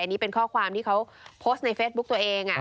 อันนี้เป็นข้อความที่เขาโพสต์ในเฟซบุ๊กตัวเอง